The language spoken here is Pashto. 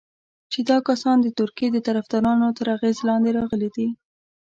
چې دا کسان د ترکیې د طرفدارانو تر اغېز لاندې راغلي دي.